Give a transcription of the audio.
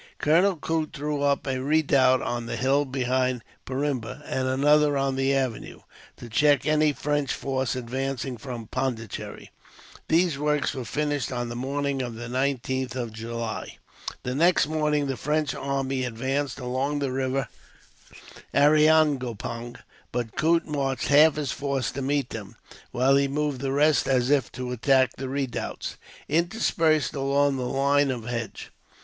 Colonel Coote threw up a redoubt on the hill behind Perimbe, and another on the avenue, to check any French force advancing from Pondicherry. These works were finished on the morning of the 19th of July. The next morning the French army advanced along the river Ariangopang, but Coote marched half his force to meet them, while he moved the rest as if to attack the redoubts, interspersed along the line of hedge.